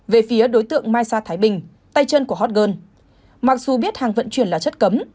về phía đối tượng mai sa thái bình tay chân của hot girl mặc dù biết hàng vận chuyển là chất cấm